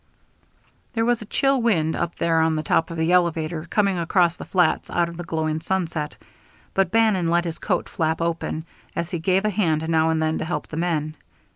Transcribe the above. There was a chill wind, up there on the top of the elevator, coming across the flats out of the glowing sunset. But Bannon let his coat flap open, as he gave a hand now and then to help the men.